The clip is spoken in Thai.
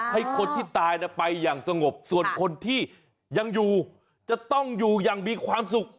ให้คนที่ตายไปอย่างสงบส่วนคนที่ยังอยู่จะต้องอยู่อย่างมีความสุข